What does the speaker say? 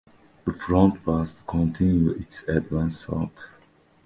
The front was to continue its advance south.